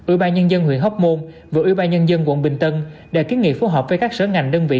ưu ba nhân dân huyện hóc môn và ưu ba nhân dân quận bình tân đã kiến nghị phối hợp với các sở ngành đơn vị